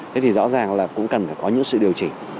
thế thì rõ ràng là cũng cần phải có những sự điều chỉnh